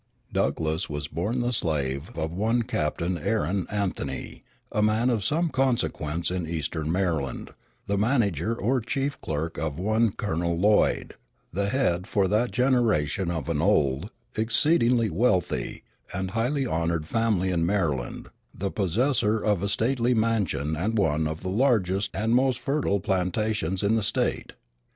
Douglass was born the slave of one Captain Aaron Anthony, a man of some consequence in eastern Maryland, the manager or chief clerk of one Colonel Lloyd, the head for that generation of an old, exceedingly wealthy, and highly honored family in Maryland, the possessor of a stately mansion and one of the largest and most fertile plantations in the State.